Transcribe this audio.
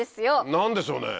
何でしょうねぇ！